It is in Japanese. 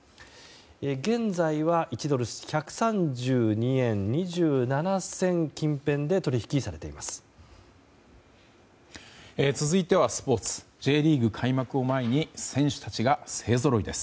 現在は１ドル＝１３２円２７銭近辺で取引されています。